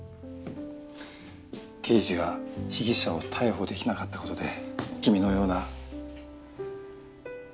刑事が被疑者を逮捕できなかった事で君のような。